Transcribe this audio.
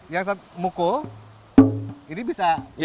yang satu mukul ini bisa